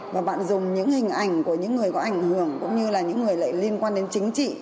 và bạn dùng những hình ảnh của những người có ảnh hưởng cũng như là những người lại liên quan đến chính trị